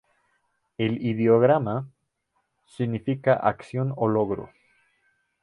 El ideograma 为 significa acción o logro.